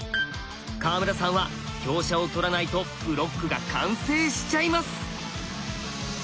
川村さんは香車を取らないとブロックが完成しちゃいます。